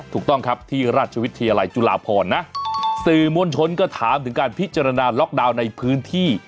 ถูกต้องครับที่ราชวิทยาลัยจุฬาพรนะสื่อมวลชนก็ถามถึงการพิจารณาล็อกดาวน์ในพื้นที่